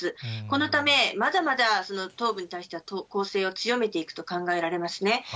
このため、まだまだ東部に対しては攻勢を強めていくと考えられますね。